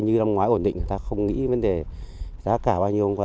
như năm ngoái ổn định người ta không nghĩ vấn đề giá cả bao nhiêu